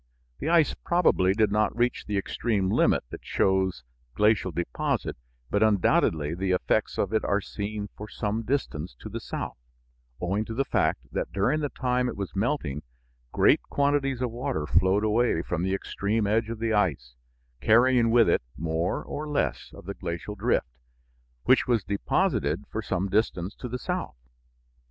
The ice probably did not reach the extreme limit that shows glacial deposit, but undoubtedly the effects of it are seen for some distance to the south, owing to the fact that during the time it was melting great quantities of water flowed away from the extreme edge of the ice, carrying with it more or less of the glacial drift, which was deposited for some distance to the south.